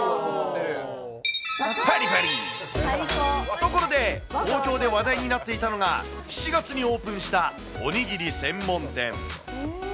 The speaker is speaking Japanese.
ところで、東京で話題になっていたのが、７月にオープンしたおにぎり専門店。